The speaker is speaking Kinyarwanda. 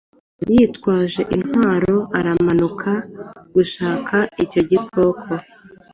yitwaje intwaroaramanuka gushaka icyo gikoko